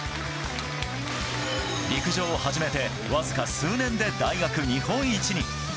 陸上を始めて、わずか数年で大学日本一に。